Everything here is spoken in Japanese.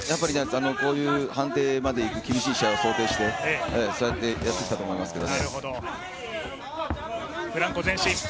判定までいく厳しい試合を想定してそうやってやってきたと思いますけどね。